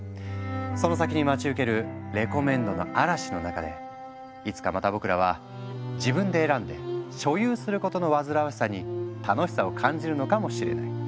その先に待ち受けるレコメンドの嵐の中でいつかまた僕らは自分で選んで所有することの煩わしさに楽しさを感じるのかもしれない。